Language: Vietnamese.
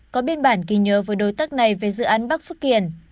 có biên bản ghi nhớ với đối tác này về dự án bắc phước kiển